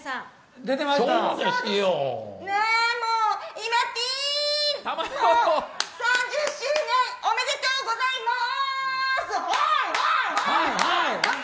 イマティー、３０周年おめでとうございます！